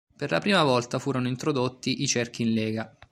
Per la prima volta furono introdotti i cerchi in lega.